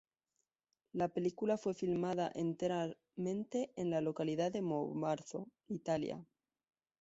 La película fue filmada enteramente en la localidad de Bomarzo, Italia.